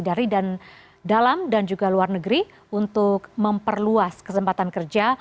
dari dalam dan juga luar negeri untuk memperluas kesempatan kerja